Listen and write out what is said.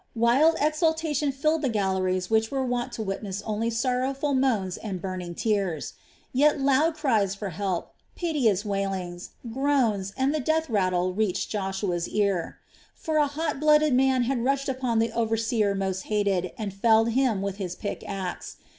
Wild exultation filled the galleries which were wont to witness only sorrowful moans and burning tears; yet loud cries for help, piteous wailings, groans, and the death rattle reached Joshua's ear; for a hot blooded man had rushed upon the overseer most hated and felled him with his pick axe.